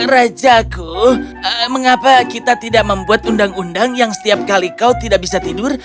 rajaku mengapa kita tidak membuat undang undang yang setiap kali kau tidak bisa tidur